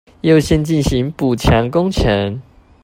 優先進行補強工程